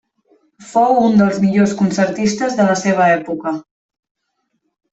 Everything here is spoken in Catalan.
Fou un dels millors concertistes de la seva època.